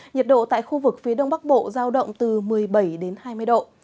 nhiệt độ tại khu vực phía đông bắc bộ giao động từ một mươi bảy đến hai mươi độ